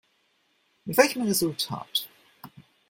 Mit welchem Resultat?